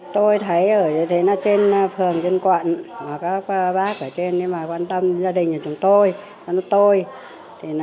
tôi thấy ở trên phường trên quận các bác ở trên quan tâm gia đình của chúng tôi